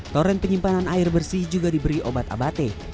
toren penyimpanan air bersih juga diberi obat abate